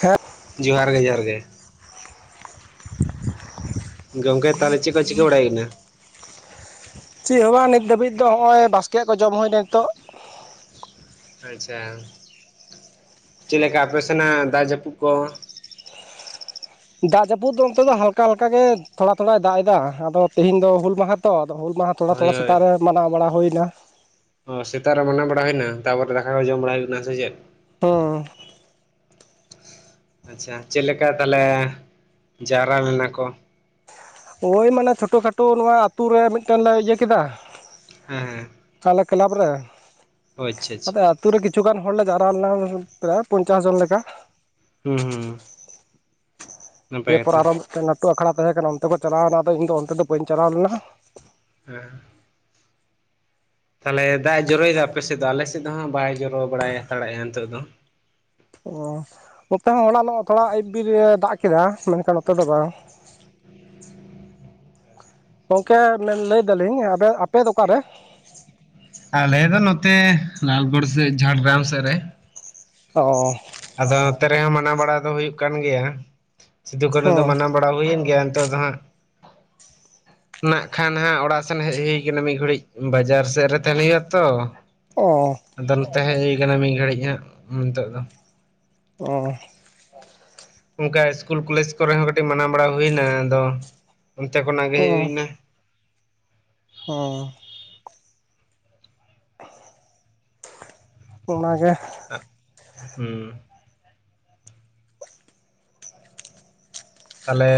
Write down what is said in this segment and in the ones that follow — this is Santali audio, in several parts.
ᱦᱮᱸ ᱡᱚᱦᱟᱨ ᱜᱮ ᱡᱚᱦᱟᱨ ᱜᱮ ᱜᱚᱝᱠᱮ ᱛᱟᱦᱞᱮ ᱪᱮᱫ ᱠᱚ ᱪᱤᱠᱟᱹ ᱵᱟᱲᱟᱭ ᱦᱩᱭᱱᱟ ᱪᱮᱫ ᱦᱚᱸ ᱵᱟᱝ ᱱᱤᱛ ᱫᱷᱟᱹᱵᱤᱡ ᱫᱚ ᱦᱚᱸᱜᱼᱚᱭ ᱵᱟᱥᱠᱮᱭᱟᱜ ᱠᱚ ᱡᱚᱢ ᱦᱳᱭᱱᱟ ᱱᱤᱛᱚᱜ ᱟᱪᱪᱷᱟ ᱪᱮᱫ ᱞᱮᱠᱟ ᱟᱯᱮ ᱥᱮᱱᱟᱜ ᱫᱟᱜ ᱡᱟᱹᱯᱩᱫ ᱠᱚ ᱫᱟᱜ ᱡᱟᱹᱯᱩᱫ ᱫᱚ ᱚᱱᱛᱮ ᱫᱚ ᱦᱟᱞᱠᱟ ᱦᱟᱞᱠᱟ ᱜᱮ ᱛᱷᱚᱲᱟ ᱛᱷᱚᱲᱟᱭ ᱫᱟᱜ ᱮᱫᱟ ᱟᱫᱚ ᱛᱤᱦᱮᱧ ᱫᱚ ᱦᱩᱞ ᱢᱟᱦᱟ ᱛᱚ ᱟᱫᱚ ᱦᱩᱞ ᱢᱟᱦᱟ ᱛᱷᱚᱲᱟ ᱦᱳᱭ ᱛᱷᱚᱲᱟ ᱦᱳᱭ ᱥᱮᱛᱟᱜ ᱨᱮ ᱢᱟᱱᱟᱣ ᱵᱟᱲᱟ ᱦᱩᱭᱱᱟ ᱚ ᱥᱮᱛᱟᱜ ᱨᱮ ᱢᱟᱱᱟ ᱵᱟᱲᱟ ᱦᱩᱭᱱᱟ ᱛᱟᱨᱯᱚᱨᱮ ᱛᱮ ᱫᱟᱠᱟ ᱠᱚ ᱡᱚᱢ ᱵᱟᱲᱟ ᱦᱩᱭᱩᱜ ᱠᱟᱱᱟ ᱥᱮ ᱪᱮᱫ ᱦᱩᱸ ᱟᱪᱪᱷᱟ ᱪᱮᱫ ᱞᱮᱠᱟ ᱛᱟᱦᱞᱮ ᱡᱟᱣᱨᱟ ᱞᱮᱱᱟ ᱠᱚ ᱳᱭ ᱢᱟᱱᱮ ᱪᱷᱳᱴᱳ ᱠᱷᱟᱴᱳ ᱱᱚᱣᱟ ᱟᱛᱩ ᱨᱮ ᱢᱤᱫᱴᱟᱝ ᱞᱮ ᱤᱭᱟᱹ ᱠᱮᱫᱟ ᱦᱮᱸ ᱟᱞᱮ ᱠᱞᱟᱵᱽ ᱨᱮ ᱚ ᱟᱪᱪᱷᱟ ᱟᱪᱪᱷᱟ ᱟᱫᱚ ᱟᱛᱩ ᱨᱮ ᱠᱤᱪᱷᱩ ᱜᱟᱱ ᱦᱚᱲᱞᱮ ᱡᱟᱣᱨᱟ ᱞᱮᱱᱟ ᱯᱨᱟᱭ ᱯᱚᱧᱪᱟᱥ ᱡᱚᱱ ᱞᱮᱠᱟ ᱦᱩᱸ ᱦᱩᱸ ᱫᱤᱭᱮ ᱱᱟᱯᱟᱭ ᱯᱚᱨ ᱠᱟᱛᱷᱟ ᱟᱨᱚ ᱢᱤᱫᱴᱟᱹᱝ ᱞᱟᱹᱴᱩ ᱟᱠᱷᱲᱟ ᱛᱟᱦᱮᱸ ᱠᱟᱱᱟ ᱚᱱᱛᱮ ᱠᱚ ᱪᱟᱞᱟᱣᱱᱟ ᱟᱫᱚ ᱤᱧ ᱫᱚ ᱚᱱᱛᱮ ᱫᱚ ᱵᱟᱹᱧ ᱪᱟᱞᱟᱣ ᱞᱮᱱᱟ ᱦᱮᱸ ᱛᱟᱦᱞᱮ ᱫᱟᱜ ᱮ ᱡᱚᱨᱚᱭᱮᱫᱟ ᱟᱯᱮ ᱥᱮᱫ ᱫᱚ ᱟᱞᱮ ᱥᱮᱫ ᱫᱚ ᱦᱟᱸᱜ ᱵᱟᱭ ᱡᱚᱨᱚ ᱵᱟᱲᱟᱭ ᱦᱟᱛᱟᱲᱮᱜᱼᱟ ᱱᱤᱛᱚᱜ ᱫᱚ ᱚ ᱱᱚᱛᱮ ᱦᱚᱸ ᱦᱚᱞᱟᱱᱚᱜ ᱛᱷᱚᱲᱟ ᱟᱭᱩᱵ‌ᱵᱤᱨᱮ‌ ᱫᱟᱜ ᱠᱮᱫᱟ ᱢᱮᱱᱠᱷᱟᱱ ᱱᱚᱛᱮ ᱫᱚ ᱵᱟᱝ ᱜᱚᱝᱠᱮ ᱢᱮᱱ ᱞᱟᱹᱭ ᱫᱟᱞᱤᱧ ᱟᱵᱮ ᱟᱯᱮ ᱫᱚ ᱚᱠᱟ ᱨᱮ ᱟᱞᱮ ᱫᱚ ᱱᱚᱛᱮ ᱞᱟᱞᱜᱚᱲ ᱥᱮᱫ ᱡᱷᱟᱲᱜᱨᱟᱢ ᱥᱮᱫ ᱨᱮ ᱚ ᱟᱫᱚ ᱱᱚᱛᱮ ᱨᱮᱦᱚᱸ ᱢᱟᱱᱟᱣ ᱵᱟᱲᱟ ᱫᱚ ᱦᱩᱭᱩᱜ ᱠᱟᱱ ᱜᱮᱭᱟ ᱥᱤᱫᱩ ᱠᱟᱱᱩ ᱫᱚ ᱦᱚᱸ ᱢᱟᱱᱟᱣ ᱵᱟᱲᱟ ᱦᱩᱭᱮᱱ ᱜᱮᱭᱟ ᱱᱤᱛᱚᱜ ᱫᱚ ᱦᱟᱸᱜ ᱱᱟᱜ ᱠᱷᱟᱱ ᱦᱟᱸᱜ ᱚᱲᱟᱜ ᱥᱮᱱ ᱦᱮᱡ ᱦᱩᱭ ᱠᱟᱱᱟ ᱢᱤᱫ ᱜᱷᱩᱲᱤᱡ, ᱵᱟᱡᱟᱨ ᱥᱮᱫ ᱨᱮ ᱛᱟᱦᱮᱱ ᱦᱩᱭᱩᱜᱼᱟ ᱛᱚ ᱚ ᱟᱫᱚ ᱱᱚᱛᱮ ᱦᱮᱡ ᱦᱩᱭ ᱠᱟᱱᱟ ᱢᱤᱫ ᱜᱷᱟᱹᱲᱤᱡ ᱦᱟᱸᱜ ᱱᱤᱛᱳᱜ ᱫᱚ ᱚ ᱚᱱᱠᱟ ᱤᱥᱠᱩᱞ ᱠᱚᱞᱮᱡᱽ ᱠᱚᱨᱮ ᱦᱚᱸ ᱠᱟᱹᱴᱤᱡ ᱢᱟᱱᱟᱣ ᱵᱟᱲᱟ ᱦᱩᱭ ᱮᱱᱟ ᱟᱫᱚ ᱚᱱᱛᱮ ᱠᱷᱚᱱᱟᱜ ᱜᱮ ᱚ ᱦᱮᱡ ᱦᱩᱭ ᱮᱱᱟ ᱚ ᱚᱱᱟᱜᱮ ᱟᱜ ᱦᱩᱸ ᱛᱟᱦᱞᱮ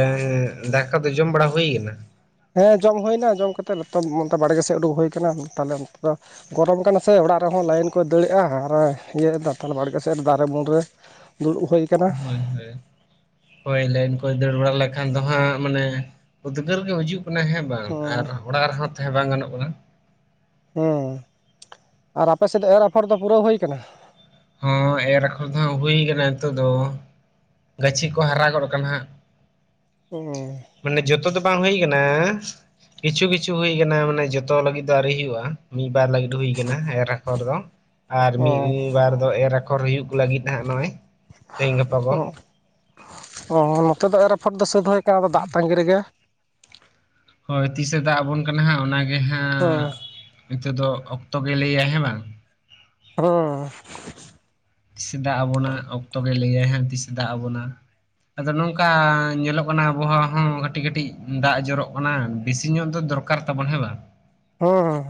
ᱫᱟᱠᱟ ᱫᱚ ᱡᱚᱢ ᱵᱟᱲᱟ ᱦᱩᱭ ᱠᱟᱱᱟ ᱦᱮᱸ ᱡᱚᱢ ᱦᱩᱭᱱᱟ ᱡᱚᱢ ᱠᱟᱛᱮᱫ ᱱᱚᱛᱮ ᱵᱟᱲᱜᱮ ᱥᱮᱫ ᱩᱰᱩᱠ ᱦᱩᱭ ᱟᱠᱟᱱᱟ ᱛᱟᱦᱞᱮ ᱚᱱᱛᱮ ᱫᱚ ᱜᱚᱨᱚᱢ ᱠᱟᱱᱟ ᱥᱮ ᱚᱲᱟᱜ ᱨᱮᱦᱚᱸ ᱞᱟᱭᱤᱱ ᱠᱚᱭ ᱫᱟᱹᱲᱮᱜᱼᱟ ᱟᱨ ᱤᱭᱟᱹ ᱫᱟ ᱚᱱᱛᱮ ᱵᱟᱲᱜᱮ ᱥᱮᱫ ᱨᱮ ᱫᱟᱨᱮ ᱩᱢᱩᱞ ᱨᱮ ᱫᱩᱲᱩᱵ ᱦᱩᱭ ᱠᱟᱱᱟ ᱦᱳᱭ ᱱᱚᱸᱰᱮ ᱦᱳᱭ ᱞᱟᱭᱤᱱ ᱠᱚᱭ ᱫᱟᱹᱲ ᱵᱟᱲᱟ ᱞᱮᱠᱷᱟᱱ ᱫᱚ ᱦᱟᱸᱜ ᱢᱟᱱᱮ ᱩᱫᱽᱜᱟᱹᱨ ᱜᱮ ᱦᱩᱡᱩᱜ ᱠᱟᱱᱟ ᱦᱮᱸ ᱵᱟᱝ ᱟᱨ ᱦᱩᱸ ᱚᱲᱟᱜ ᱨᱮᱦᱚᱸ ᱛᱟᱦᱮᱸ ᱵᱟᱝ ᱜᱟᱱᱚᱜ ᱠᱟᱱᱟ ᱦᱩᱸ ᱟᱨ ᱟᱯᱮ ᱥᱮᱫ ᱫᱚ ᱮᱨ ᱟᱯᱷᱚᱨ ᱫᱚ ᱯᱩᱨᱟᱹᱣ ᱦᱩᱭ ᱠᱟᱱᱟ ᱦᱚᱸ ᱮᱨ ᱟᱠᱷᱚᱨ ᱫᱚ ᱦᱟᱸᱜ ᱦᱩᱭ ᱟᱠᱟᱱᱟ ᱱᱤᱛᱚᱜ ᱫᱚ ᱜᱟᱹᱪᱷᱤ ᱠᱚ ᱦᱟᱨᱟ ᱜᱚᱫ ᱠᱟᱱᱟ ᱦᱟᱸᱜ ᱩᱸᱻ ᱢᱟᱱᱮ ᱡᱚᱛᱚ ᱫᱚ ᱵᱟᱝ ᱦᱩᱭ ᱠᱟᱱᱟ ᱠᱤᱪᱷᱩ ᱠᱤᱪᱷᱩ ᱦᱩᱭ ᱠᱟᱱᱟ ᱢᱟᱱᱮ ᱡᱚᱛᱚ ᱞᱟᱹᱜᱤᱫ ᱫᱚ ᱟᱹᱣᱨᱤ ᱦᱩᱭᱩᱜᱼᱟ ᱢᱤᱫ ᱵᱟᱨ ᱞᱟᱹᱜᱤᱫ ᱦᱩᱭ ᱠᱟᱱᱟ ᱮᱨ ᱟᱠᱷᱚᱨ ᱫᱚ ᱟᱨ ᱚ ᱢᱤᱫ ᱵᱟᱨ ᱫᱚ ᱮᱨ ᱟᱠᱷᱚᱨ ᱦᱩᱭᱩᱜ ᱞᱟᱹᱜᱤᱫ ᱦᱟᱸᱜ ᱱᱚᱜᱼᱚᱭ ᱛᱮᱦᱤᱧ ᱜᱟᱯᱟ ᱠᱚ ᱚ ᱚ ᱱᱚᱛᱮ ᱫᱚ ᱮᱨ ᱟᱯᱷᱚᱨ ᱫᱚ ᱥᱟᱹᱫ ᱦᱩᱭ ᱟᱠᱟᱱᱟ ᱟᱫᱚ ᱫᱟᱜ ᱛᱟᱺᱜᱤ ᱨᱮᱜᱮ ᱦᱳᱭ ᱛᱤᱥᱮ ᱫᱟᱜ ᱟᱵᱚᱱ ᱠᱟᱱᱟ ᱦᱟᱸᱜ ᱚᱱᱟ ᱜᱮ ᱦᱟᱸᱜ ᱚᱸ᱾ ᱱᱤᱛᱚᱜ ᱫᱚ ᱚᱠᱛᱚ ᱜᱮ ᱞᱟᱹᱭᱟᱭ ᱦᱮᱸ ᱵᱟᱝ? ᱦᱳ᱾ ᱛᱤᱥᱮ ᱫᱟᱜ ᱟᱵᱚᱱᱟ ᱚᱠᱛᱚ ᱜᱮ ᱞᱟᱹᱭᱟᱭ ᱦᱟᱸᱜ ᱛᱤᱥᱮ ᱫᱟᱜ ᱟᱵᱚᱱᱟ᱾ ᱟᱫᱚ ᱱᱚᱝᱠᱟ ᱧᱮᱞᱚᱜ ᱠᱟᱱᱟ ᱟᱵᱚᱦᱟᱸ ᱦᱚᱸ ᱠᱟᱹᱴᱤᱡ ᱠᱟᱹᱴᱤᱡ ᱫᱟᱜ ᱡᱚᱨᱚᱜ ᱠᱟᱱᱟ ᱵᱮᱥᱤ ᱧᱚᱜ ᱫᱚ ᱫᱚᱨ ᱠᱟᱨ ᱛᱟᱵᱚᱱ ᱦᱮᱸ ᱵᱟ? ᱦᱩᱸ᱾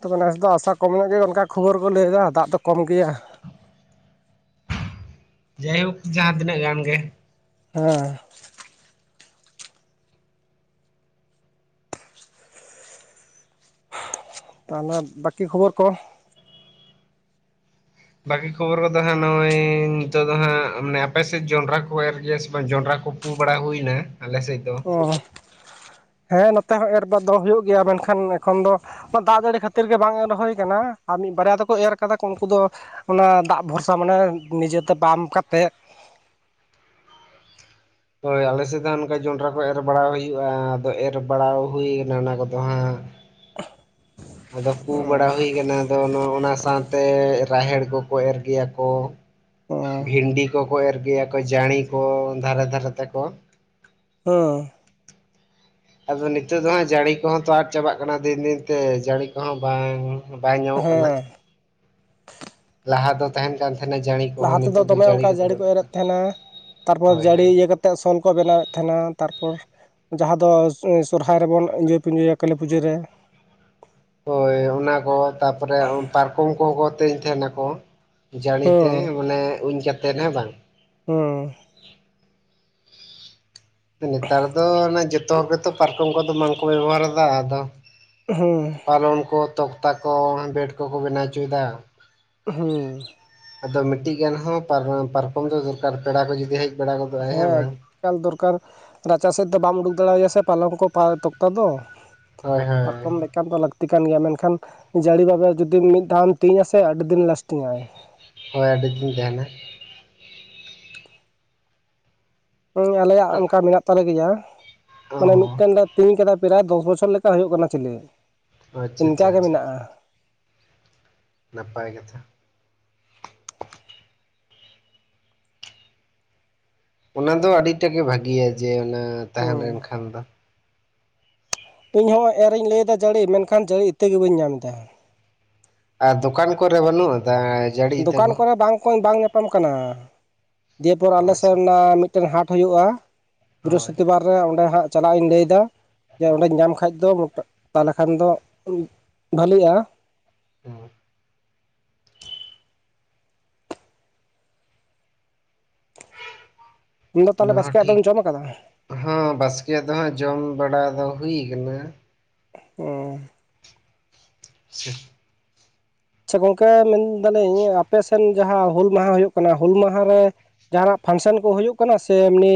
ᱛᱚᱵᱮ ᱱᱮᱥ ᱫᱚ ᱟᱥᱟ ᱠᱚᱢ ᱧᱚᱸᱜ ᱜᱮ ᱚᱱᱠᱟ ᱠᱷᱚᱵᱚᱨ ᱠᱚ ᱞᱟᱹᱭᱫᱟ ᱫᱟᱜ ᱫᱚ ᱠᱚᱢ ᱜᱮᱭᱟ᱾ ᱡᱟᱭᱦᱳᱠ ᱡᱟᱦᱟᱸ ᱛᱤᱱᱟᱹᱜ ᱜᱟᱱ ᱜᱮ᱾ ᱦᱮᱸ᱾ ᱛᱟᱦᱚᱞᱮᱫ ᱵᱟᱠᱤ ᱠᱷᱚᱵᱚᱨ ᱠᱚ ᱵᱟᱹᱠᱤ ᱠᱷᱚᱵᱚᱨ ᱠᱚᱫᱚ ᱦᱟᱸᱜ ᱱᱚᱜᱼᱚᱭ ᱱᱤᱛᱚᱜ ᱫᱚ ᱦᱟᱸᱜ ᱢᱟᱱᱮ ᱟᱯᱮ ᱥᱮᱫ ᱡᱚᱸᱰᱨᱟ ᱠᱚ ᱮᱨ ᱜᱮᱭᱟ ᱥᱮ ᱵᱟᱝ ᱡᱚᱸᱰᱨᱟ ᱠᱚ? ᱯᱩ ᱵᱟᱲᱟ ᱦᱩᱭ ᱱᱟ ᱟᱞᱮ ᱥᱮᱫ ᱫᱚ᱾ ᱚ, ᱦᱮᱸ ᱱᱚᱛᱮ ᱦᱚᱸ ᱮᱨ ᱵᱟᱫ ᱫᱚᱦᱟ ᱦᱩᱭᱩᱜ ᱜᱮᱭᱟ ᱢᱮᱱᱠᱷᱟᱱ ᱮᱠᱷᱚᱱ ᱫᱚ ᱫᱟᱜ ᱡᱟᱹᱲᱤ ᱠᱷᱟᱹᱛᱤᱨ ᱜᱮ ᱵᱟᱝ ᱮᱨ ᱦᱳᱭ ᱠᱟᱱᱟ ᱟᱨ ᱢᱤᱫ ᱵᱟᱨᱭᱟ ᱫᱚᱠᱚ ᱮᱨ ᱠᱟᱫᱟ ᱠᱚ ᱩᱱᱠᱩ ᱫᱚ᱾ ᱚᱱᱮ ᱫᱟᱜ ᱵᱷᱚᱨᱥᱟ ᱢᱟᱱᱮ ᱱᱤᱡᱮᱛᱮ ᱯᱟᱢ ᱠᱟᱛᱮᱜ᱾ ᱦᱳᱭ ᱟᱞᱮ ᱥᱮᱫ ᱫᱚ ᱦᱟᱸᱜ ᱚᱱᱠᱟ ᱡᱚᱱᱰᱨᱟ ᱠᱚ ᱮᱨ ᱵᱟᱲᱟ ᱦᱩᱭᱩᱜᱼᱟ ᱟᱫᱚ ᱮᱨ ᱵᱟᱲᱟᱣ ᱦᱩᱭ ᱠᱟᱱᱟ ᱚᱱᱟ ᱠᱚᱫᱚ ᱦᱟᱸᱜ᱾ [inaudible] ᱟᱫᱚ ᱯᱩ ᱵᱟᱲᱟ ᱦᱩᱭ ᱠᱟᱱᱟ ᱟᱫᱚ ᱚᱱᱟ ᱚᱱᱟ ᱥᱟᱶᱛᱮ ᱨᱟᱦᱮᱲ ᱠᱚᱠᱚ ᱮᱨ ᱜᱮᱭᱟ ᱠᱚ᱾ ᱦᱮᱸ ᱵᱷᱤᱱᱰᱤ ᱠᱚᱠᱚ ᱮᱨ ᱜᱮᱭᱟ ᱠᱚ ᱡᱟᱹᱲᱤ ᱠᱚ ᱫᱷᱟᱨᱮ ᱫᱷᱟᱨᱮ ᱛᱮᱠᱚ ᱦᱮᱸ᱾ ᱟᱫᱚ ᱱᱤᱛᱳᱜ ᱫᱚ ᱦᱟᱸᱜ ᱡᱟᱹᱲᱤ ᱠᱚᱦᱚᱸ ᱛᱚ ᱟᱫ ᱪᱟᱵᱟᱜ ᱠᱟᱱᱟ ᱫᱤᱱ ᱫᱤᱱ ᱛᱮ ᱡᱟᱹᱲᱤ ᱠᱚᱦᱚᱸ ᱵᱟᱝ ᱵᱟᱭ ᱧᱟᱢᱚᱜ ᱠᱟᱱᱟ᱾ ᱦᱮᱸ ᱞᱟᱦᱟ ᱫᱚ ᱛᱟᱦᱮᱱ ᱠᱟᱱ ᱛᱟᱦᱮᱱᱟ ᱡᱟᱹᱲᱤ ᱠᱚᱦᱚᱸ ᱞᱟᱦᱟ ᱛᱮᱫᱚ ᱱᱤᱛᱚᱜ ᱫᱚ ᱫᱚᱢᱮ ᱚᱱᱠᱟ ᱠᱚᱫᱚ ᱡᱟᱹᱲᱤ ᱠᱚ ᱵᱟᱹᱱᱩᱜ ᱠᱟᱫᱟ᱾ ᱮᱨᱮᱫ ᱛᱟᱦᱮᱸᱱᱟ ᱛᱟᱨᱯᱚᱨ ᱦᱳᱭ ᱡᱟᱹᱲᱤ ᱦᱳᱭ ᱤᱭᱟᱹ ᱠᱟ ᱛᱮ ᱥᱚᱞ ᱠᱚ ᱵᱮᱱᱟᱣᱮᱫ ᱛᱟᱦᱮᱱᱟ ᱛᱟᱨᱯᱚᱨ ᱡᱟᱦᱟᱸ ᱫᱚ ᱥᱚ-ᱥᱚᱨᱦᱟᱭ ᱨᱮᱵᱚᱱ ᱤᱡᱟᱹᱭ ᱯᱤᱸᱡᱚᱭᱟ ᱠᱟᱹᱞᱤ ᱯᱩᱡᱟᱹ ᱨᱮ᱾ ᱦᱳᱭ ᱚᱱᱟ ᱠᱚ ᱛᱟᱯᱚᱨᱮ ᱩᱢ ᱯᱟᱨᱠᱚᱢ ᱠᱚᱦᱚᱸ ᱠᱚ ᱛᱮᱧ ᱛᱟᱦᱮᱱᱟ ᱠᱚ᱾ ᱡᱟᱹᱲᱤ ᱛᱮ ᱦᱮᱸ ᱢᱟᱱᱮ ᱩᱧ ᱠᱟᱛᱮᱫ ᱦᱮᱸ ᱵᱟᱝ? ᱦᱩᱸ᱾ ᱱᱮᱛᱟᱨ ᱫᱚ ᱚᱱᱟ ᱡᱚᱛᱚ ᱦᱚ ᱜᱮᱛᱚ ᱯᱟᱨᱠᱚᱢ ᱠᱚᱫᱚ ᱵᱟᱝᱠᱚ ᱵᱮᱵᱚᱦᱟᱨ ᱫᱟ ᱟᱫᱚ᱾ ᱦᱩᱸ᱾ ᱯᱟᱞᱚᱱ ᱠᱚ ᱛᱚᱠᱛᱟ ᱠᱚ ᱵᱮᱰ ᱠᱚᱠᱚ ᱵᱮᱱᱟᱣ ᱪᱩᱭ ᱫᱟ᱾ ᱩᱸᱦᱩᱸ᱾ ᱟᱫᱚ ᱢᱤᱫᱴᱤᱡ ᱜᱟᱱ ᱦᱚᱸ ᱯᱟᱨ-ᱯᱟᱨᱠᱚᱢ ᱫᱚᱭ ᱫᱚᱨᱠᱟᱨ ᱯᱮᱲᱟ ᱠᱚ ᱡᱩᱫᱤ ᱦᱮᱡ ᱵᱟᱲᱟ ᱜᱚᱫᱚᱜᱼᱟᱭ ᱦᱮᱸ ᱵᱟᱝ? ᱮᱠᱟᱞ ᱫᱚᱨᱠᱟᱨ ᱨᱟᱪᱟ ᱥᱮᱫ ᱫᱚ ᱵᱟᱢ ᱩᱰᱩᱠ ᱫᱟᱲᱮᱣᱟᱭᱟ ᱥᱮ ᱯᱟᱞᱚᱝ ᱠᱚ ᱯᱟ ᱛᱚᱠᱛᱟ ᱫᱚ᱾ ᱦᱳᱭ ᱦᱳᱭ ᱯᱟᱨᱠᱚᱢ ᱞᱟᱹ ᱠᱟᱨ ᱫᱚ ᱞᱟᱹᱠᱛᱤ ᱠᱟᱱ ᱜᱮᱭᱟ ᱢᱮᱱᱠᱷᱟᱱ ᱡᱟᱹᱲᱤ ᱵᱟᱵᱮᱨ ᱡᱩᱫᱤ ᱢᱤᱫ ᱫᱷᱟᱣᱮᱢ ᱛᱤᱧ ᱟᱥᱮ ᱟᱹᱰᱤ ᱫᱤᱱ ᱞᱟᱥᱴᱤᱝ ᱟᱭ᱾ ᱦᱳᱭ ᱟᱹᱰᱤ ᱫᱤᱱ ᱛᱟᱦᱮᱱᱟ᱾ ᱦᱩᱸ ᱟᱞᱮᱭᱟᱜ ᱚᱱᱠᱟ ᱢᱮᱱᱟᱜ ᱛᱟᱞᱮ ᱜᱮᱭᱟ ᱚ ᱢᱟᱱᱮ ᱢᱤᱫᱴᱮᱱ ᱞᱮ ᱛᱤᱧ ᱠᱟᱫᱟ ᱯᱨᱟᱭ ᱫᱚᱥ ᱵᱚᱪᱷᱚᱨ ᱞᱮᱠᱟ ᱦᱩᱭᱩᱜ ᱠᱟᱱᱟ ᱪᱤᱞᱮ᱾ ᱚ ᱟᱪᱪᱷᱟ ᱟᱪᱪᱷᱟ ᱟᱪᱪᱷᱟ᱾ ᱱᱟᱯᱟᱭ ᱠᱟᱛᱷᱟ᱾ ᱚᱱᱟ ᱫᱚ ᱟᱹᱰᱤᱴᱟ ᱜᱮ ᱵᱷᱟᱹᱜᱤᱭᱟ ᱡᱮ ᱚᱱᱟ ᱛᱟᱦᱮᱸ ᱦᱩᱸ ᱞᱮᱱᱠᱷᱟᱱ ᱫᱚ᱾ ᱤᱧᱦᱚᱸ ᱮᱨᱤᱧ ᱞᱟᱹᱭᱮᱫᱟ ᱡᱟᱹᱲᱤ ᱢᱮᱱᱠᱷᱟᱱ ᱡᱟᱹᱲᱤ ᱤᱛᱟᱹ ᱜᱮ ᱵᱟᱹᱧ ᱧᱟᱢ ᱫᱟ᱾ ᱟᱨ ᱫᱚᱠᱟᱱ ᱠᱚᱨᱮ ᱵᱟᱹᱱᱩᱜ ᱟᱫᱟ᱾ ᱡᱟᱹᱲᱤ ᱤᱛᱟᱹ ᱫᱚᱠᱟᱱ ᱠᱚ ᱠᱚᱨᱮ ᱵᱟᱝ ᱠᱚ ᱵᱟᱝ ᱧᱟᱯᱟᱢ ᱠᱟᱱᱟ ᱫᱤᱭᱮᱯᱚᱨ ᱟᱞᱮᱥᱮᱜ ᱟᱪᱪᱷᱟ ᱨᱮᱱᱟᱜ ᱢᱤᱫ ᱴᱮᱱ ᱦᱟᱴ ᱦᱩᱭᱩᱜᱼᱟ ᱦᱳᱭ ᱵᱨᱤᱦᱚᱥᱯᱚᱛᱤ ᱵᱟᱨ ᱨᱮ ᱚᱸᱰᱮ ᱦᱟᱸᱜ ᱪᱟᱞᱟᱜ ᱤᱧ ᱞᱟᱹᱭᱮ ᱫᱟ᱾ ᱡᱮ ᱚᱸᱰᱮᱧ ᱧᱟᱢ ᱠᱷᱟᱡ ᱫᱚ ᱢᱚᱴᱟ ᱛᱟᱦᱚᱞᱮ ᱠᱷᱟᱱ ᱫᱚ ᱩᱸᱜ ᱵᱷᱟᱹᱞᱤᱜᱼᱟ᱾ ᱦᱮᱸ᱾ ᱟᱢᱫᱚ ᱛᱟᱦᱚᱞᱮ ᱵᱟᱥᱠᱮᱭᱟᱜ ᱫᱚᱢ ᱡᱚᱢ ᱟᱠᱟᱫᱟ? ᱦᱩᱸ ᱵᱟᱥᱠᱮ ᱫᱚ ᱦᱟᱸᱜ ᱡᱚᱢ ᱵᱟᱲᱟ ᱫᱚ ᱦᱩᱭ ᱟᱠᱟᱱᱟ᱾ ᱚᱸ [inaudible] ᱟᱪᱪᱷᱟ ᱜᱚᱝᱠᱮ ᱢᱮᱱᱫᱟᱞᱤᱧ ᱟᱯᱮ ᱥᱮᱱ ᱡᱟᱦᱟᱸ ᱦᱩᱞ ᱢᱟᱦᱟ ᱦᱩᱭᱩᱜ ᱠᱟᱱᱟ ᱦᱩᱞ ᱢᱟᱦᱟᱨᱮ ᱡᱟᱦᱱᱟᱜ ᱯᱷᱟᱱᱥᱟᱱ ᱠᱚ ᱦᱩᱭᱩᱜ ᱠᱟᱱᱟ ᱥᱮ ᱮᱢᱱᱤ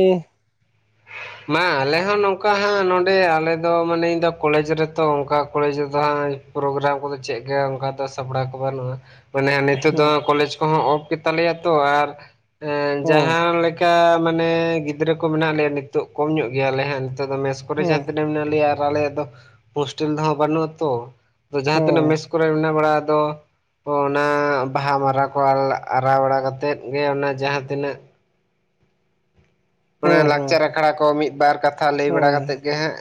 ᱢᱟ ᱟᱞᱮ ᱦᱚᱸ ᱱᱚᱝᱠᱟ ᱦᱟᱸᱜ ᱱᱚᱰᱮ ᱟᱞᱮᱫᱚ ᱢᱟᱱᱮ ᱤᱧ ᱫᱚ ᱠᱚᱞᱮᱡᱽ ᱨᱮᱛᱚ ᱚᱱᱠᱟ ᱠᱚᱞᱮᱡᱽ ᱨᱮᱫᱚ ᱦᱟᱸᱜ ᱯᱨᱚᱜᱨᱟᱢ ᱠᱚᱫᱚ ᱪᱮᱫ ᱞᱮᱠᱟ ᱚᱝᱠᱟ ᱫᱚ ᱥᱟᱯᱲᱟᱣ ᱠᱚ ᱵᱟᱹᱱᱩᱜᱼᱟ᱾ ᱢᱟᱱᱮ ᱱᱤᱛᱚᱜ ᱫᱚ ᱦᱩᱸ ᱠᱚᱞᱮᱡᱽ ᱠᱚᱦᱚᱸ ᱚᱯᱷ ᱜᱮᱛᱟᱞᱮᱭᱟ ᱛᱚ ᱟᱨ ᱦᱩᱸ ᱡᱟᱦᱟᱸᱞᱮ ᱠᱟ ᱢᱟᱱᱮ ᱜᱤᱫᱽᱨᱟᱹ ᱠᱚ ᱢᱮᱱᱟᱜ ᱞᱮᱭᱟ ᱱᱤᱛᱚᱜ ᱠᱚᱢ ᱧᱚᱜ ᱜᱮᱭᱟᱞᱮ ᱦᱟᱜ ᱱᱤᱛᱚᱜ ᱫᱚ ᱢᱮᱥ ᱠᱚᱨᱮ ᱦᱩᱸ ᱡᱟᱦᱟᱸ ᱛᱤᱱᱟᱹᱜ ᱢᱮᱱᱟᱭᱟ ᱟᱨ ᱟᱞᱮᱭᱟᱜ ᱫᱚ ᱦᱳᱥᱴᱮᱞ ᱫᱚ ᱦᱟᱸᱜ ᱵᱟᱹᱱᱩᱜᱼᱟ ᱛᱚ ᱡᱟᱦᱟᱸ ᱦᱩᱸ ᱛᱤᱱᱟᱹᱜ ᱢᱮᱥ ᱠᱚᱨᱮ ᱢᱮᱱᱟᱜ ᱵᱟᱲᱟ ᱫᱚ ᱚ ᱚᱱᱟ ᱵᱟᱦᱟ ᱢᱟᱨᱟ ᱠᱚ ᱟᱨᱟ ᱵᱟᱲᱟ ᱠᱟᱛᱮᱫ ᱜᱮ ᱚᱱᱟ ᱡᱟᱦᱟᱸ ᱛᱤᱱᱟᱹᱜ ᱢᱟᱱᱮ ᱦᱩᱸ ᱦᱩᱸ ᱞᱟᱠᱪᱟᱨ ᱟᱠᱷᱲᱟ ᱠᱚ ᱢᱤᱫᱼᱵᱟᱨ ᱠᱟᱛᱷᱟ ᱞᱟᱹᱭ ᱵᱟᱲᱟ ᱦᱩᱸ ᱠᱟᱛᱮᱫ ᱜᱮ ᱦᱟᱸᱜ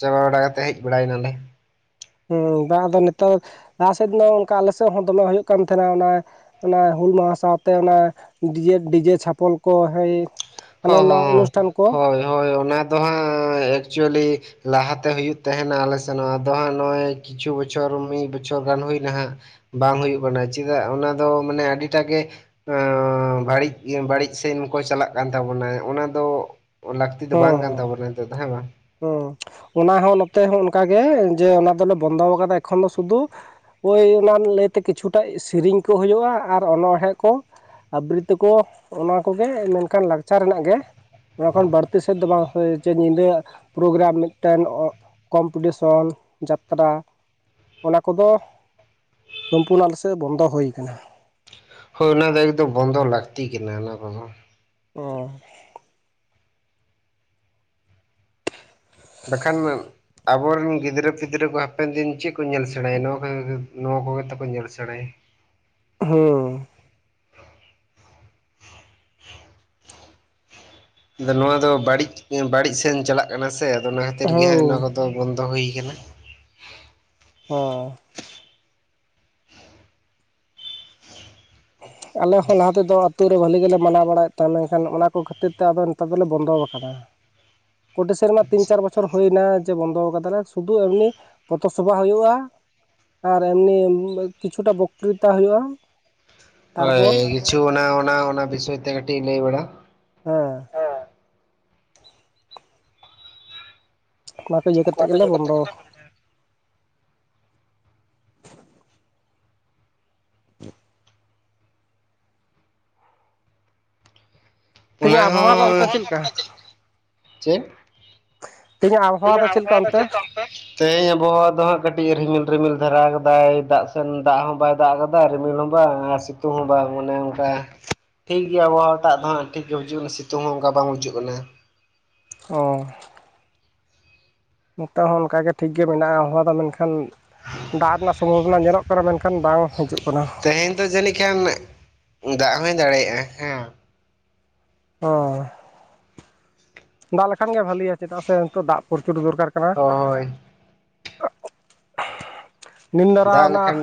ᱪᱟᱵᱟ ᱵᱟᱲᱟ ᱠᱟᱛᱮᱜ ᱦᱮᱡ ᱵᱟᱲᱟᱭ ᱱᱟᱞᱮ᱾ ᱦᱮᱸ ᱵᱟᱝ ᱟᱫᱚ ᱱᱤᱛᱚ ᱞᱟᱦᱟ ᱥᱮᱜ ᱫᱚ ᱚᱝᱠᱟ ᱟᱞᱮ ᱥᱮᱜ ᱦᱚᱸ ᱫᱚᱢᱮ ᱦᱳᱭᱳᱜ ᱠᱟᱱ ᱛᱟᱦᱮᱱᱟ ᱚᱱᱟ ᱚᱱᱟ ᱦᱩᱞ ᱢᱟᱦᱟ ᱥᱟᱶᱛᱮ ᱚᱱᱟ ᱰᱤᱡᱮ ᱰᱤᱡᱮ ᱪᱷᱟᱯᱚᱞ ᱠᱚ ᱦᱳᱭ ᱦᱟᱱᱟ ᱦᱚᱸ ᱱᱟᱣᱟ ᱦᱚᱸ ᱚᱱᱩᱥᱴᱷᱟᱱ ᱠᱚ᱾ ᱦᱳᱭ ᱦᱳᱭ ᱚᱱᱟ ᱫᱚ ᱦᱟᱸᱜ ᱮᱠᱪᱩᱭᱮᱞᱤ ᱞᱟᱦᱟᱛᱮ ᱦᱩᱭᱩᱜ ᱛᱟᱦᱮᱱᱟ ᱟᱞᱮ ᱥᱮᱱ ᱦᱚᱸ ᱟᱫᱚ ᱦᱟᱸᱜ ᱱᱚᱜᱼᱚᱭ ᱠᱤᱪᱷᱩ ᱵᱚᱪᱷᱚᱨ ᱢᱤᱜ ᱵᱚᱪᱷᱚᱨ ᱜᱟᱱ ᱦᱩᱭ ᱱᱟᱦᱟᱜ᱾ ᱵᱟᱝ ᱦᱩᱭᱩᱜ ᱠᱟᱱᱟ ᱪᱤᱫᱟᱜ ᱚᱱᱟ ᱫᱚ ᱢᱟᱱᱮ ᱟᱹᱰᱤᱴᱟᱜ ᱜᱮ ᱚᱸ ᱵᱟᱹᱲᱤᱡ ᱤᱭᱟᱹ ᱵᱟᱹᱲᱤᱡ ᱥᱮᱱ ᱠᱚ ᱪᱟᱞᱟᱜ ᱠᱟᱱ ᱛᱟᱵᱚᱱᱟ ᱚᱱᱟ ᱫᱚ ᱞᱟᱹᱠᱛᱤ ᱫᱚ ᱵᱟᱝ ᱠᱟᱱ ᱛᱟᱵᱚᱱᱟᱭ ᱱᱤᱛᱳᱜ ᱫᱚ ᱦᱮᱸ ᱵᱟᱝ᱾ ᱦᱩᱸ ᱚᱱᱟ ᱦᱚᱸ ᱱᱚᱛᱮ ᱦᱚᱸ ᱚᱱᱠᱟᱜᱮ ᱡᱮ ᱚᱱᱟ ᱫᱚᱞᱮ ᱵᱚᱱᱫᱚ ᱠᱟᱫᱟ ᱮᱠᱷᱚᱱ ᱫᱚ ᱥᱩᱫᱩ ᱳᱭ ᱚᱱᱟ ᱞᱟᱹᱭᱛᱮ ᱠᱤᱪᱷᱩᱴᱟᱜ ᱥᱤᱨᱤᱧ ᱠᱚ ᱦᱩᱭᱩᱜᱼᱟ ᱟᱨ ᱚᱱᱚᱬᱦᱮᱸ ᱠᱚ᱾ ᱟᱵᱨᱤᱛ ᱛᱚᱠᱚ ᱚᱱᱟ ᱠᱚᱜᱮ ᱢᱮᱱᱠᱷᱟᱱ ᱞᱟᱠᱪᱟᱨ ᱨᱮᱱᱟᱜ ᱜᱮ᱾ ᱚᱱᱟ ᱠᱷᱚᱱ ᱵᱟᱹᱲᱛᱤ ᱥᱮᱫ ᱫᱚ ᱵᱟᱝ ᱦᱳᱭ ᱪᱚᱭ ᱧᱤᱫᱟᱹ ᱯᱨᱳᱜᱨᱟᱢ ᱢᱤᱫᱴᱮᱱ ᱚᱜ ᱠᱚᱢᱯᱤᱴᱤᱥᱚᱱ ᱡᱟᱛᱨᱟ ᱚᱱᱟ ᱠᱚᱫᱚ ᱥᱚᱢᱯᱩᱱᱱᱚ ᱟᱞᱮᱥᱮᱜ ᱵᱚᱱᱫᱚ ᱦᱳᱭ ᱠᱟᱱᱟ᱾ ᱦᱳᱭ ᱚᱱᱟ ᱫᱚ ᱮᱠᱫᱚᱢ ᱵᱚᱱᱫᱚ ᱞᱟᱹᱠᱛᱤ ᱠᱮᱱᱟ ᱚᱱᱟ ᱠᱚᱫᱚ᱾ ᱚᱸ ᱵᱟᱠᱷᱟᱱ ᱟᱵᱚᱨᱮᱱ ᱜᱤᱫᱽᱨᱟᱹ ᱯᱤᱫᱽᱨᱟᱹ ᱠᱚ ᱦᱟᱯᱮᱱ ᱫᱤᱱ ᱪᱮᱜ ᱠᱚ ᱧᱮᱞ ᱥᱮᱬᱟᱭᱟ ᱱᱚᱣᱟ ᱠᱚᱜᱮ ᱱᱚᱣᱟ ᱠᱚᱜᱮ ᱛᱚ ᱠᱚ ᱧᱮᱞ ᱥᱮᱬᱟᱭᱟ᱾ ᱦᱩᱸ ᱟᱫᱚ ᱱᱚᱣᱟ ᱫᱚ ᱵᱟᱹᱲᱤᱡ ᱵᱟᱹᱲᱤᱡ ᱥᱮᱱ ᱪᱟᱞᱟᱜ ᱠᱟᱱᱟ ᱥᱮ ᱟᱫᱚ ᱚᱱᱟ ᱠᱷᱟᱹᱛᱤᱨ ᱜᱮ ᱦᱟᱸᱜ ᱱᱚᱣᱟ ᱦᱩᱸ ᱠᱚᱫᱚ ᱫᱚ ᱵᱚᱱᱫᱚ ᱦᱩᱭ ᱠᱟᱱᱟ᱾ ᱦᱚᱸ ᱟᱞᱮ ᱦᱚᱸ ᱞᱟᱦᱟ ᱛᱮᱫᱚ ᱛᱩᱨᱮ ᱵᱷᱟᱹᱞᱤ ᱜᱮᱞᱮ ᱢᱟᱱᱟᱣ ᱵᱟᱲᱟᱭᱮᱫ ᱛᱟᱦᱮᱸᱱ ᱢᱮᱝᱠᱷᱟᱱ ᱚᱱᱟ ᱠᱚ ᱠᱷᱟᱹᱛᱤᱨ ᱛᱮ ᱟᱫᱚ ᱱᱤᱛᱟᱨ ᱫᱚᱞᱮ ᱵᱚᱱᱫᱚᱣ ᱠᱟᱫᱟ ᱯᱳᱴᱮ ᱥᱮᱨᱢᱟ ᱛᱤᱱ ᱪᱟᱨ ᱵᱚᱪᱷᱚᱨ ᱦᱳᱭᱱᱟ ᱡᱮ ᱵᱚᱱᱫᱚ ᱟᱠᱟᱫᱟᱞᱮ ᱥᱩᱫᱷᱩ ᱮᱢᱱᱤ ᱯᱚᱛᱷᱚ ᱥᱚᱵᱷᱟ ᱦᱳᱭᱳᱜᱼᱟ᱾ ᱟᱨ ᱮᱢᱱᱤ ᱠᱤᱪᱷᱩᱴᱟ ᱵᱚᱠᱛᱨᱤᱛᱟ ᱦᱳᱭᱳᱜᱼᱟ᱾ ᱦᱳᱭ ᱠᱤᱪᱷᱩ ᱚᱱᱟ ᱚᱱᱟ ᱚᱱᱟ ᱵᱤᱥᱚᱭ ᱛᱮ ᱠᱟᱹᱴᱤᱜ ᱞᱟᱹᱭ ᱵᱟᱲᱟ᱾ ᱦᱮᱸ ᱚᱱᱟ ᱠᱚ ᱤᱭᱟᱹ ᱠᱟᱛᱮᱜ ᱜᱮᱞᱮ ᱵᱚᱱᱫᱚ [inaudible] ᱚᱱᱟ ᱛᱮᱦᱮᱧᱟᱜ ᱟᱵᱚᱦᱟᱣᱟ ᱫᱚ ᱚᱱᱛᱮ ᱪᱮᱫ ᱞᱮᱠᱟ? ᱪᱮᱜ? ᱛᱮᱦᱮᱧᱟᱜ ᱟᱵᱚᱦᱟᱣᱟ ᱫᱚ ᱪᱮᱫᱠᱟ? ᱛᱮᱦᱮᱧ ᱟᱵᱚᱦᱟᱣᱟ ᱫᱚ ᱦᱟᱸᱜ ᱠᱟᱹᱴᱤᱡ ᱨᱤᱢᱤᱞ ᱨᱤᱢᱤᱞ ᱫᱷᱟᱨᱟᱣ ᱠᱟᱫᱟᱭ ᱫᱟᱜ ᱥᱮᱱ ᱫᱟᱜ ᱦᱚᱸ ᱵᱟᱭ ᱫᱟᱜ ᱠᱟᱫᱟᱭ ᱨᱤᱢᱤᱞ ᱦᱚᱸ ᱵᱟᱝ ᱟᱨ ᱥᱤᱛᱩᱝ ᱦᱚᱸ ᱵᱟᱝ ᱚᱱᱮ ᱚᱝᱠᱟ ᱴᱷᱤᱠ ᱜᱮᱭᱟ ᱟᱵᱚᱦᱟᱣᱟ ᱴᱟᱜ ᱫᱚ ᱦᱟᱸᱜ ᱴᱷᱤᱠ ᱜᱮ ᱵᱩᱡᱩᱜ ᱠᱟᱱᱟ ᱥᱤᱛᱩᱝ ᱦᱚᱸ ᱚᱝᱠᱟ ᱵᱟᱝ ᱵᱩᱡᱩᱜ ᱠᱟᱱᱟ ᱚ ᱱᱤᱛᱚᱜ ᱦᱚᱸ ᱚᱱᱠᱟᱜ ᱜᱮ ᱴᱷᱤᱠ ᱜᱮ ᱢᱮᱱᱟᱜᱼᱟ ᱟᱵᱦᱟᱣᱟ ᱫᱚ ᱢᱮᱱᱠᱷᱟᱱ ᱫᱟᱜ ᱨᱮᱱᱟᱜ ᱥᱚᱢᱵᱷᱚᱵᱚᱱᱟ ᱧᱮᱞᱚᱜ ᱠᱟᱱᱟ ᱢᱮᱱᱠᱷᱟᱱ ᱵᱟᱝ ᱦᱤᱡᱩᱜ ᱠᱟᱱᱟ ᱛᱮᱦᱮᱧ ᱫᱚ ᱡᱟᱹᱱᱤᱡ ᱠᱷᱟᱱ ᱫᱟᱜ ᱦᱚᱸᱭ ᱫᱟᱲᱮᱭᱟᱜᱼᱟ, ᱦᱮᱸ ᱦᱚᱭ ᱫᱟᱜ ᱞᱮᱠᱷᱟᱱ ᱜᱮ ᱵᱷᱟᱞᱤᱭᱟ ᱪᱮᱫᱟᱜ ᱥᱮ ᱱᱤᱛᱚᱜ ᱫᱟᱜ ᱯᱚᱨᱪᱩᱨ ᱫᱚᱨᱠᱟᱨ ᱠᱟᱱᱟ ᱦᱳᱭ ᱱᱤᱱ ᱫᱟᱨᱟ ᱫᱟᱜ ᱚᱱᱟ ᱞᱮᱠᱷᱟᱱ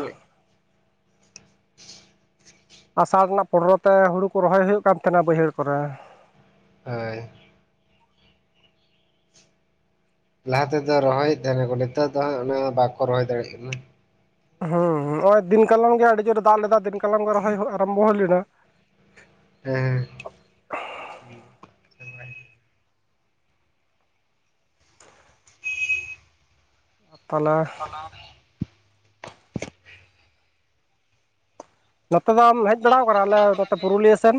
ᱟᱥᱟᱲ ᱨᱮᱱᱟᱜ ᱯᱚᱱᱨᱚ ᱛᱮ ᱦᱩᱲᱩ ᱠᱚ ᱨᱚᱦᱚᱭ ᱦᱩᱭᱩᱜ ᱠᱟᱱ ᱛᱟᱦᱮᱱᱟ ᱵᱟᱹᱭᱦᱟᱹᱲ ᱠᱚᱨᱮ ᱦᱳᱭ ᱞᱟᱦᱟ ᱛᱮᱫᱚ ᱨᱚᱦᱚᱭᱮᱫ ᱛᱟᱦᱮᱱᱟᱠᱚ ᱱᱮᱛᱟᱨ ᱫᱚ ᱦᱟᱸᱜ ᱚᱱᱮ ᱵᱟᱠᱚ ᱨᱚᱦᱚᱭ ᱫᱟᱲᱮᱭᱟᱜ ᱠᱟᱱᱟ ᱦᱩᱸ ᱦᱩᱸ ᱦᱚᱸᱜ-ᱚᱭ ᱫᱤᱱ ᱠᱟᱞᱚᱢ ᱜᱮ ᱟᱹᱰᱤ ᱡᱳᱨᱮ ᱫᱟᱜ ᱞᱮᱫᱟ ᱫᱤᱱ ᱠᱟᱞᱚᱢ ᱜᱮ ᱨᱚᱦᱚᱭ ᱦᱳᱜ ᱟᱨᱚᱢᱵᱚ ᱦᱳᱭ ᱞᱮᱱᱟ ᱦᱮᱸ ᱛᱟᱞᱟ ᱛᱟᱞᱟ ᱨᱮ ᱱᱚᱛᱮ ᱫᱚᱢ ᱦᱮᱡ ᱵᱟᱲᱟᱣ ᱟᱠᱟᱱᱟ ᱟᱞᱮ ᱱᱚᱛᱮ ᱯᱩᱨᱩᱞᱤᱭᱟᱹ ᱥᱮᱱ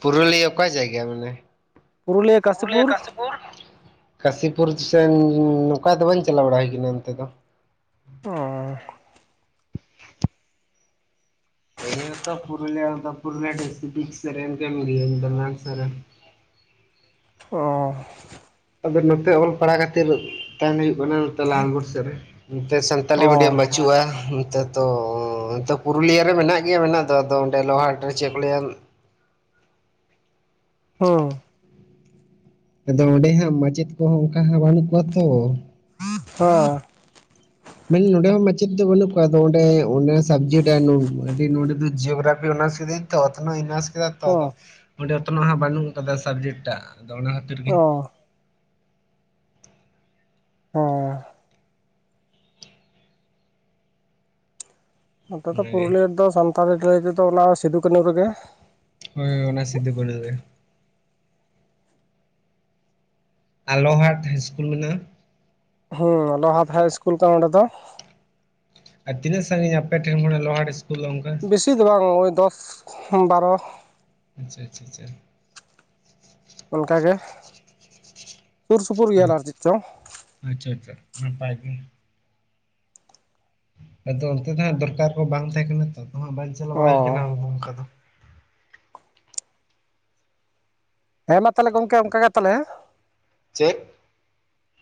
ᱯᱩᱨᱩᱞᱤᱭᱟᱹ ᱚᱠᱟ ᱡᱟᱭᱜᱟ ᱵᱚᱞᱮ ᱯᱩᱨᱩᱞᱤᱭᱟᱹ ᱠᱟᱥᱤᱯᱩᱨ ᱠᱟᱥᱤᱯᱩᱨ ᱥᱮᱱ ᱱᱚᱝᱠᱟ ᱫᱚ ᱵᱟᱹᱧ ᱪᱟᱞᱟᱣ ᱵᱟᱲᱟ ᱦᱩᱭ ᱠᱟᱱᱟ ᱚᱱᱛᱮ ᱫᱚ ᱚ ᱤᱧ ᱦᱚᱸᱛᱚ ᱯᱩᱨᱩᱞᱤᱭᱟᱹ ᱨᱮᱫᱚ ᱯᱩᱨᱤᱞᱤᱭᱟᱹ ᱰᱤᱥᱴᱤᱠ ᱥᱮᱫ ᱨᱮᱱ ᱜᱮ ᱠᱟᱱ ᱜᱤᱭᱟᱹᱧ ᱵᱚᱞᱮ, ᱫᱚᱢᱟᱱ ᱥᱟᱨᱟ ᱚ ᱟᱫᱚ ᱱᱚᱛᱮ ᱚᱞ ᱯᱟᱲᱦᱟᱣ ᱠᱷᱟᱹᱛᱤᱨ ᱛᱟᱦᱮᱱ ᱦᱩᱭᱩᱜ ᱠᱟᱱᱟ ᱱᱚᱛᱮ ᱞᱟᱞᱜᱚᱲ ᱥᱮᱫ ᱨᱮ ᱱᱚᱛ ᱥᱟᱱᱛᱟᱞᱤ ᱚ ᱢᱤᱰᱤᱭᱟᱢ ᱵᱟ ᱵᱟᱪᱩᱜ-ᱟ ᱱᱚᱛᱮ ᱛᱚ ᱱᱚᱛᱮ ᱯᱩᱨᱩᱞᱤᱭᱟᱹ ᱨᱮ ᱢᱮᱱᱟᱜ ᱜᱮᱭᱟ ᱢᱮᱱᱟᱜ ᱫᱚ ᱟᱫᱚ ᱚᱸᱰᱮ ᱞᱚᱦᱟᱴᱨᱮ ᱪᱮᱫ ᱠᱚ ᱞᱟᱹᱭᱟ ᱦᱩᱸ ᱟᱫᱚ ᱚᱸᱰᱮ ᱦᱟᱸᱜ ᱢᱟᱪᱮᱫ ᱠᱚᱦᱚᱸ ᱚᱝᱠᱟ ᱦᱟᱸᱜ ᱵᱟᱹᱱᱩᱜ ᱠᱚᱣᱟ ᱛᱚ ᱦᱳᱭ ᱦᱮᱸ ᱱᱚᱸᱰᱮ ᱦᱚᱸ ᱢᱟᱪᱮᱫ ᱫᱚ ᱵᱟᱹᱱᱩᱜ ᱠᱚᱣᱟ ᱟᱫᱚ ᱚᱸᱰᱮ ᱥᱟᱵᱽᱡᱮᱠᱴ [unintelligible] ᱱᱚᱰᱮ ᱫᱚ ᱡᱤᱭᱳᱜᱨᱟᱯᱷᱤ ᱚᱱᱟᱥ ᱠᱮᱫᱟᱹᱧ ᱛᱚ, ᱚᱛᱱᱚᱜ ᱤᱧ ᱚᱱᱟᱥ ᱠᱮᱫᱟ ᱛᱚ ᱟᱫᱚ ᱚ ᱚᱸᱰᱮ ᱛᱚ ᱱᱚᱣᱟ ᱦᱚᱸ ᱵᱟᱹᱱᱩᱜ ᱟᱠᱟᱫᱟ ᱥᱟᱵᱡᱮᱠᱴᱟᱜ ᱟᱫᱚ ᱚᱱᱟ ᱠᱷᱟᱹᱛᱤᱨ ᱜᱮ ᱚ ᱦᱮᱸ ᱱᱚᱛᱮ ᱫᱚ ᱚᱱᱟᱜᱮ ᱯᱩᱨᱩᱞᱤᱭᱟᱹ ᱨᱮᱫᱚ ᱥᱟᱱᱛᱟᱲᱤ ᱞᱟᱹᱭ ᱛᱮᱫᱚ ᱚᱱᱟ ᱥᱤᱫᱩ ᱠᱟᱹᱱᱩ ᱨᱮᱜᱮ ᱦᱳᱭ ᱚᱱᱟ ᱥᱤᱫᱩ ᱠᱟᱱᱩ ᱜᱮ ᱟᱨ ᱞᱚᱦᱟᱴ ᱦᱟᱭ ᱤᱥᱠᱩᱞ ᱢᱮᱱᱟᱜᱼᱟ ᱦᱳᱭ ᱞᱚᱦᱟᱴ ᱦᱟᱭ ᱤᱥᱠᱩᱞ ᱛᱚ ᱱᱚᱸᱰᱮ ᱫᱚ ᱟᱨ ᱛᱤᱱᱟᱹᱜ ᱥᱟᱺᱤᱧ ᱟᱯᱮᱷᱮᱱ ᱠᱷᱚᱱᱟᱜ ᱞᱚᱦᱟᱴ ᱤᱥᱠᱩᱞ ᱫᱚ ᱜᱚᱝ ᱵᱤᱥᱤ ᱫᱚ ᱵᱟᱝ ᱳᱭ ᱫᱚᱥ ᱵᱟᱨᱚ ᱟᱪᱪᱷᱟ ᱟᱪᱪᱷᱟ ᱟᱪᱪᱷᱟ ᱚᱱᱠᱟᱜᱮ ᱥᱩᱨᱥᱩᱯᱩᱨ ᱜᱮᱭᱟᱞᱮ ᱦᱳᱭ ᱟᱨ ᱪᱮᱫ ᱪᱚᱝ ᱟᱪᱪᱷᱟ ᱟᱪᱪᱷᱟ ᱱᱟᱯᱟᱭ ᱜᱮ ᱟᱫᱚ ᱚᱱᱛᱮ ᱫᱚ ᱦᱟᱸᱜ ᱫᱚᱨᱠᱟᱨ ᱠᱚ ᱵᱟᱝ ᱛᱟᱦᱮᱸ ᱠᱟᱱᱟ ᱛᱚ ᱦᱟᱸᱜ ᱵᱟᱝ ᱪᱟᱞᱟᱣ ᱚ ᱵᱟᱲᱟ ᱦᱩᱭ ᱠᱟᱱᱟ ᱚᱱᱠᱟ ᱫᱚ ᱦᱮᱸ ᱢᱟ ᱛᱟᱞᱦᱮ ᱜᱚᱝᱠᱮ ᱚᱱᱠᱟ ᱜᱮ ᱛᱟᱞᱦᱮ, ᱦᱮᱸ ᱪᱮᱫ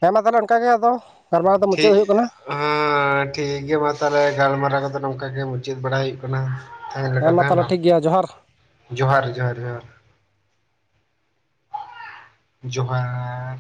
ᱦᱮᱸ ᱢᱟ ᱛᱟᱞᱦᱮ ᱚᱱᱠᱟᱜᱮ ᱟᱫᱚ ᱜᱟᱞᱢᱟᱨᱟᱣ ᱫᱚ ᱢᱩᱪᱟᱹᱫ ᱴᱷᱤᱠ ᱦᱩᱭᱩᱜ ᱠᱟᱱᱟ ᱦᱮᱸ ᱴᱷᱤᱠ ᱜᱮᱭᱟ ᱢᱟ ᱛᱟᱦᱞᱮ ᱜᱟᱞᱢᱟᱨᱟᱣ ᱠᱚᱫᱚ ᱱᱚᱝᱠᱟ ᱜᱮ ᱢᱩᱪᱟᱹᱫ ᱵᱟᱲᱟ ᱦᱩᱭᱩᱜ ᱠᱟᱱᱟ ᱛᱮᱦᱮᱧ ᱞᱮᱠᱟ ᱫᱚ ᱢᱟ ᱦᱮᱸ ᱛᱟᱦᱚᱞᱮ ᱵᱟᱝ, ᱴᱷᱤᱠ ᱜᱮᱭᱟ ᱡᱚᱦᱟᱨ ᱡᱚᱦᱟᱨ ᱡᱚᱦᱟᱨ ᱡᱚᱦᱟᱨ ᱡᱚᱦᱟᱨ